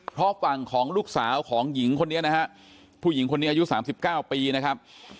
เพราะฝั่งของลูกสาวของหญิงคนนี้นะฮะผู้หญิงคนนี้อายุ๓๙ปีนะครับ